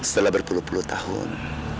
setelah berpuluh puluh tahun